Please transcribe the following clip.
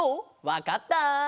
わかった？